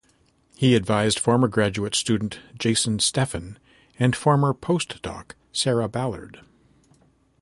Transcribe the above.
He advised former graduate student Jason Steffen and former postdoc Sarah Ballard.